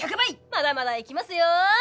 まだまだいきますよ！